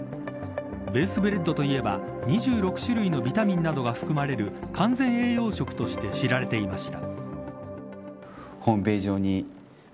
ＢＡＳＥＢＲＥＡＤといえば２６種類のビタミンなどが含まれる完全栄養食として知られていました。